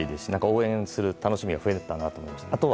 応援する楽しみが増えたなと思いました。